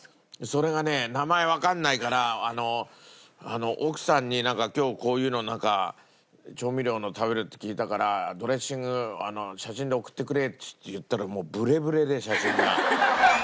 それがね名前わかんないから奥さんになんか今日こういうの調味料のを食べるって聞いたから「ドレッシング写真で送ってくれ」って言ったらもうブレブレで写真が。